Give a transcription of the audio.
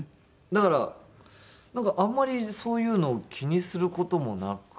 だからなんかあんまりそういうのを気にする事もなく。